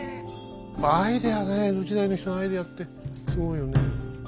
アイデアね江戸時代の人のアイデアってすごいよね。